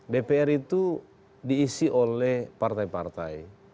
dpr itu diisi oleh partai partai